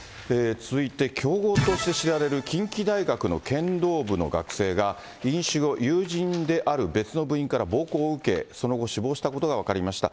続いて強豪として知られる近畿大学の剣道部の学生が、飲酒後、友人である別の部員から暴行を受け、その後、死亡したことが分かりました。